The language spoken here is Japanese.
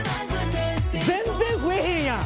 全然増えへんやん！